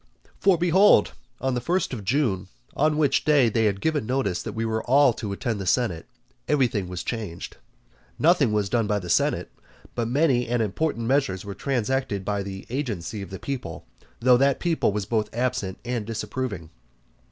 For behold, on the first of June, on which day they had given notice that we were all to attend the senate, everything was changed. Nothing was done by the senate, but many and important measures were transacted by the agency of the people, though that people was both absent and disapproving.